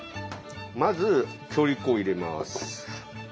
まず強力粉を入れます。